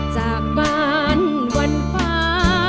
จากบ้านวันฟ้า